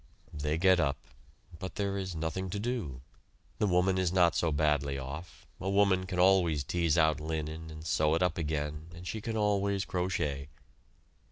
They get up. But there is nothing to do. The woman is not so badly off a woman can always tease out linen and sew it up again, and she can always crochet.